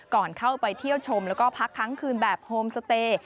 ก่อนเข้าไปเที่ยวชมแล้วก็พักค้างคืนแบบโฮมสเตย์